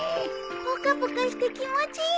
ぽかぽかして気持ちいいね。